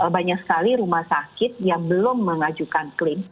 banyak sekali rumah sakit yang belum mengajukan klaim